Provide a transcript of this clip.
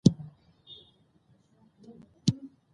هر لوبغاړی باید مناسب یونیفورم واغوندي.